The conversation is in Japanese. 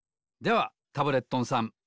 ではタブレットンさん